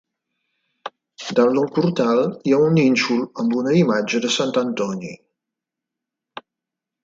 Dalt del portal hi ha un nínxol amb una imatge de Sant Antoni.